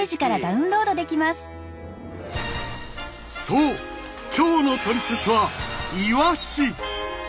そう今日のトリセツはイワシ！